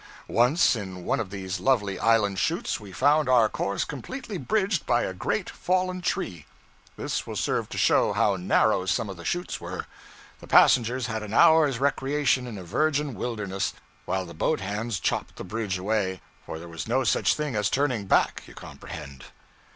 Once, in one of these lovely island chutes, we found our course completely bridged by a great fallen tree. This will serve to show how narrow some of the chutes were. The passengers had an hour's recreation in a virgin wilderness, while the boat hands chopped the bridge away; for there was no such thing as turning back, you comprehend.